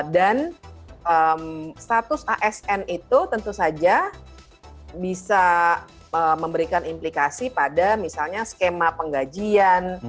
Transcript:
dan status asn itu tentu saja bisa memberikan implikasi pada misalnya skema penggajian